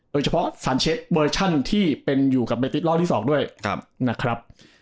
โดยเฉพาะซาเชสเวอร์ชันที่เป็นอยู่กับเบรตติสรอบที่สองด้วยนะครับ